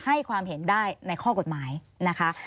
ให้ความเห็นได้ในข้อกฎหมายนะคะ